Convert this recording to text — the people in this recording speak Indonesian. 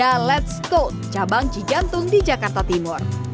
ada let's toast cabang cijantung di jakarta timur